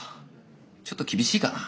ちょっと厳しいかな。